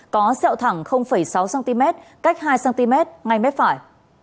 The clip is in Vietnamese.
có sẹo thẳng sáu cm cách hai cm ngay mép phải